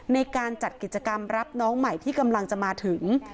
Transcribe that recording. ในการจัดกิจกรรมรับน้องใหม่ที่กำลังจะมาถึง